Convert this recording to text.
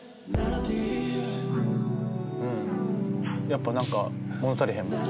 うんやっぱ何か物足りへんもん。